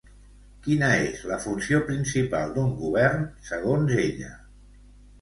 Quina és la funció principal d'un govern, segons ella?